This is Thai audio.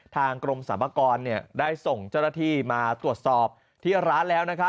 ทางกรมสรรพากรได้ส่งเจ้าหน้าที่มาตรวจสอบที่ร้านแล้ว